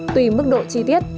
tùy mức độ chi tiết